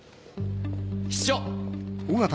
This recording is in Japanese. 室長！